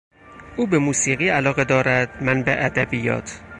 او به موسیقی علاقه دارد، من به ادبیات.